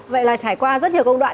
vậy là trải qua rất nhiều công đoạn